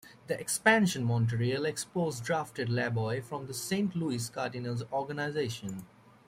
The expansion Montreal Expos drafted Laboy from the Saint Louis Cardinals organization.